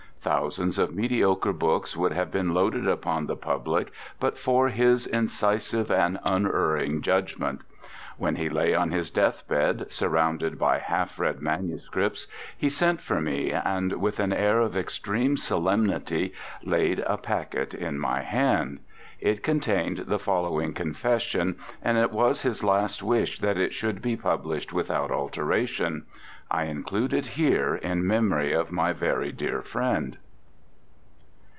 Thousands of mediocre books would have been loaded upon the public but for his incisive and unerring judgment. When he lay on his deathbed, surrounded by half read MSS., he sent for me, and with an air of extreme solemnity laid a packet in my hand. It contained the following confession, and it was his last wish that it should be published without alteration. I include it here in memory of my very dear friend.